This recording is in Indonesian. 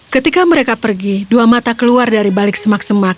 ketika mereka pergi dua mata keluar dari balik semak semak